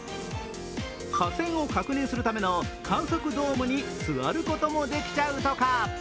架線を確認するための観測ドームに座ることもできちゃうとか。